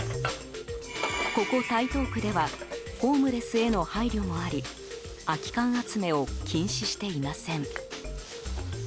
ここ台東区ではホームレスへの配慮もあり空き缶集めを禁止していません。